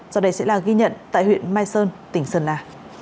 sau đây sẽ là ghi nhận tại huyện mai sơn tỉnh sơn la